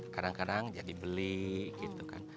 kadang kadang jadi beli gitu kan